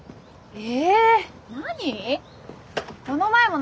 え？